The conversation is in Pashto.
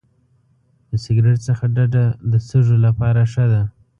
د سګرټ څخه ډډه د سږو لپاره ښه ده.